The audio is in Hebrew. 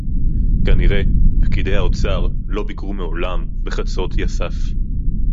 כנראה פקידי האוצר לא ביקרו מעולם בחצרות-יסף